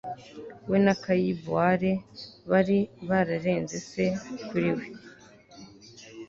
we na kai borie bari bararenze se kuri we